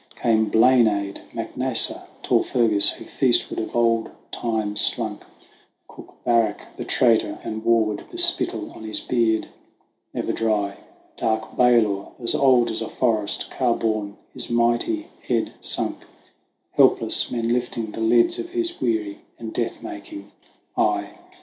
Came Blanid, Mac Nessa, tall Fergus who feastward of old time slunk, Cook Barach, the traitor; and warward, the spittle on his beard never dry, Dark Balor, as old as a forest, car borne, his mighty head sunk Helpless, men lifting the lids of his weary and death making eye.